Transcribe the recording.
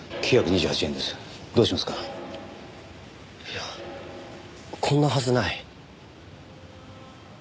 いやこんなはずない。